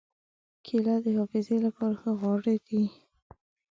کېله د حافظې له پاره ښه خواړه ده.